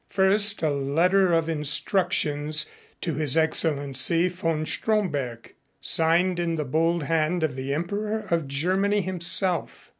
First a letter of instructions to His Excellency von Stromberg, signed in the bold hand of the Emperor of Germany himself.